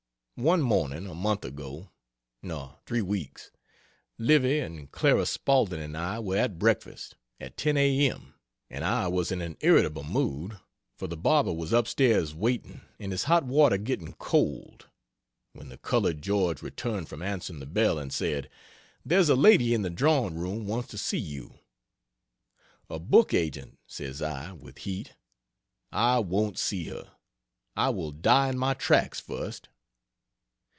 One morning, a month ago no, three weeks Livy, and Clara Spaulding and I were at breakfast, at 10 A.M., and I was in an irritable mood, for the barber was up stairs waiting and his hot water getting cold, when the colored George returned from answering the bell and said: "There's a lady in the drawing room wants to see you." "A book agent!" says I, with heat. "I won't see her; I will die in my tracks, first."